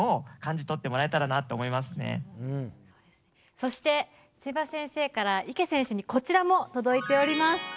そして、ちば先生から池選手にこちらも届いております。